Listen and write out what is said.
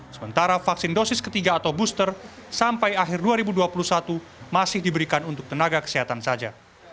sementara vaksin dosis ketiga atau booster sampai akhir dua ribu dua puluh satu masih diberikan untuk tenaga kesehatan saja